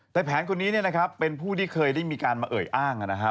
แต่แผนคนนี้เนี่ยนะครับเป็นผู้ที่เคยได้มีการมาเอ่ยอ้างนะครับ